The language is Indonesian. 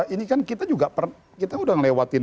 ini kan kita juga kita udah ngelewatin